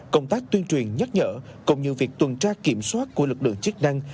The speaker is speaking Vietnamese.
công tác tuyên truyền nhắc nhở cũng như việc tuần tra kiểm soát của lực lượng chức năng